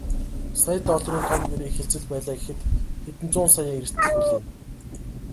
Сая долларын том гэрээ хэлцэл байлаа гэхэд хэдэн зуун саяын эрсдэл хүлээнэ.